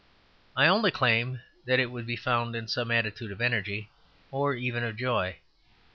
I only claim that it would be found in some attitude of energy, or even of joy.